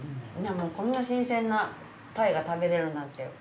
こんな新鮮な鯛が食べられるなんて。